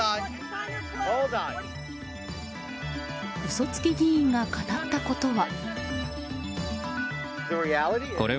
嘘つき議員が語ったことは。